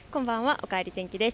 おかえり天気です。